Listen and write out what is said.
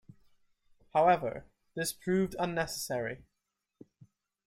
However, this proved unnecessary.